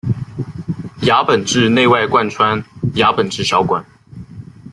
牙本质内外贯穿牙本质小管。